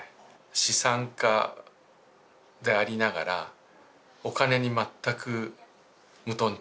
資産家でありながらお金に全く無頓着な人。